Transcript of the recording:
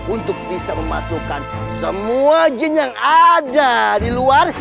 untuk bisa memasukkan semua jin yang ada di luar